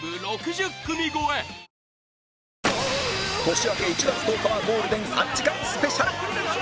年明け１月１０日はゴールデン３時間スペシャル！